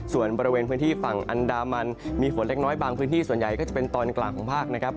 ส่วนบริเวณพื้นที่ฝั่งอันดามันมีฝนเล็กน้อยบางพื้นที่ส่วนใหญ่ก็จะเป็นตอนกลางของภาคนะครับ